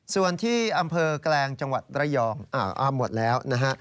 ส่วนที่อำเภอแกลงจังหวัดระยองหมดแล้วนะฮะ